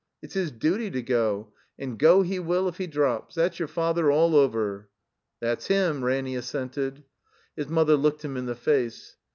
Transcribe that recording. It's his duty to go, and go He will if He drops. That's your father all over." "That's Him," Ranny assented. His mother looked him in the face.